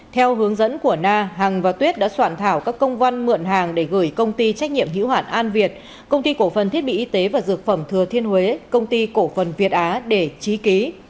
theo hướng dẫn của na hằng và tuyết đã soạn thảo các công văn mượn hàng để gửi công ty trách nhiệm hữu hoạn an việt công ty cổ phần thiết bị y tế và dược phẩm thừa thiên huế công ty cổ phần việt á để trí ký